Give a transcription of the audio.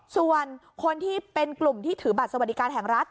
ส่วนคนที่เป็นกลุ่มที่ถือบัตรสวัสดิการแห่งรัฐ